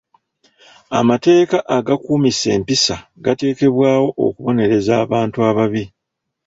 Amateeka agakuumisa empisa gatekebwawo okubonereza abantu ababi.